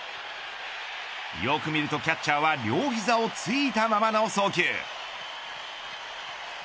よく見るとキャッチャーは両膝をついたままの送球。